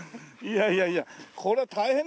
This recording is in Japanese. いやいやいやこれは大変だね。